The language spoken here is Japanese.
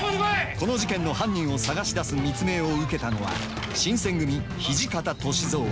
この事件の犯人を探し出す密命を受けたのは新選組土方歳三。